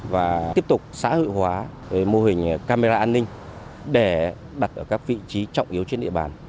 và tiếp tục xã hội hóa mô hình camera an ninh để đặt ở các vị trí trọng yếu trên địa bàn